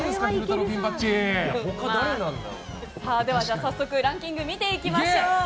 早速、ランキングを見ていきましょう。